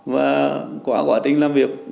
và qua quá trình làm việc